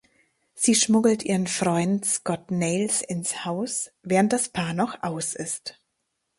Sie schmuggelt ihren Freund Scott Nails ins Haus, während das Paar noch aus ist.